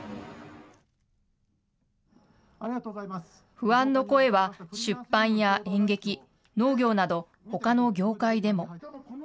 不安の声は出版や演劇、農業など、ほかの業界でも。